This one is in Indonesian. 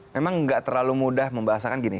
memang nggak terlalu mudah membahasakan gini